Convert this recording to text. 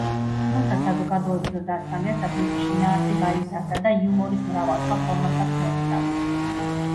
თუმცა, საზოგადოების ზრდასთან ერთად, მისი შინაარსი გაიზარდა და იუმორის მრავალ სხვა ფორმასაც მოიცავს.